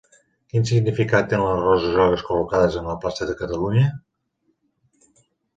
Quin significat tenen les roses grogues col·locades en la plaça de Catalunya?